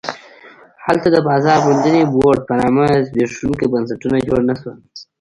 هلته د بازار موندنې بورډ په نامه زبېښونکي بنسټونه جوړ نه شول.